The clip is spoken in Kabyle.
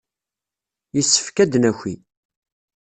Yessefk ad d-naki.